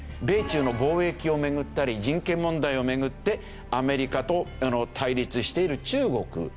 米中の貿易を巡ったり人権問題を巡ってアメリカと対立している中国。